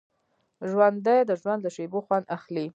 ژوندي د ژوند له شېبو خوند اخلي